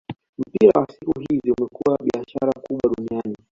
Mpira wa siku hizi umekuwa biashara kubwa duniani